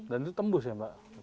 dan itu tembus ya mbak